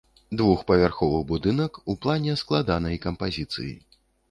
Двухпавярховы будынак, у плане складанай кампазіцыі.